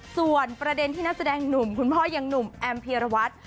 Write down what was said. ส่วนประเด็นที่นักแสดงหนุ่มคุณพ่อยังหนุ่มแอมพีรวัตร